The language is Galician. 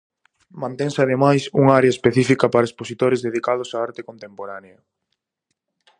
Mantense ademais unha área específica para expositores dedicados á arte contemporánea.